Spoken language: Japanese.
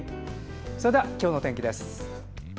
それでは今日の天気です。